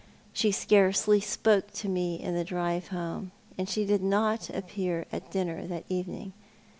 She scarcely spoke to me in tiie drive home, and she did not Appear at dinner that evening.